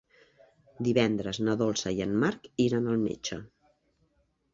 Divendres na Dolça i en Marc iran al metge.